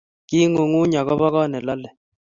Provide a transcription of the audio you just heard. kiing'unyng'uny akobo koot nelolei